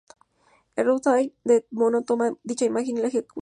El "runtime" de Mono toma dicha imagen y la ejecuta.